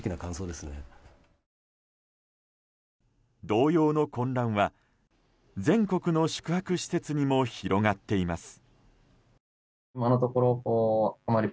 同様の混乱は、全国の宿泊施設にも広がっています。